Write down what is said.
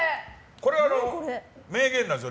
これは、名言なんです。